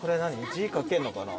字書けるのかな？